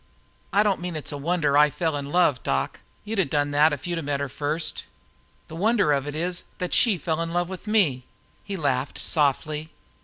I don't mean it's a wonder I fell in love, doc you'd 'a' done that if you'd met her first. The wonder of it is that she fell in love with me." He laughed softly.